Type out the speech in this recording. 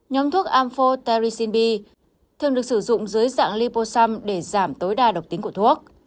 nhóm thuốc amphotericin b thường được sử dụng dưới dạng liposam để giảm tối đa độc tính của thuốc